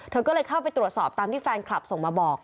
เธอก็เลยเข้าไปตรวจสอบตามที่แฟนคลับส่งมาบอก